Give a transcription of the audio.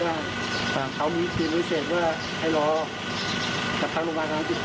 พวกเขามีบุษเศษว่าให้รอไปกับทางอุบันนะติดต่อ